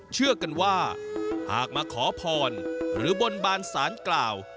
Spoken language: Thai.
เชื่อกันว่าหากมาขอพรหรือบนบานสารกล่าว